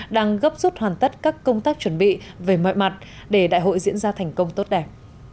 đang gấp rút hoàn tất các công tác chuẩn bị về mọi mặt để đại hội diễn ra thành công tốt đẹp